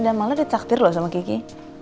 dan malah dicaktir loh sama kiki